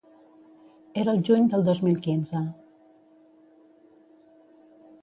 Era el juny del dos mil quinze.